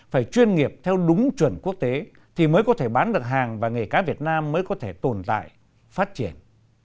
phải chuyên nghiệp theo đúng chuẩn quốc tế thì mới có thể bán được hàng và nghề cá việt nam mới có thể tồn tại phát triển